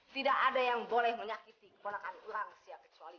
tidak ada yang boleh menyakiti kebonakan ulang siap kecuali aini